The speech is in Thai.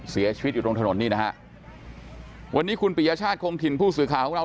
เสียชีวิตอยู่ตรงถนนนี่นะฮะวันนี้คุณปิยชาติคงถิ่นผู้สื่อข่าวของเรา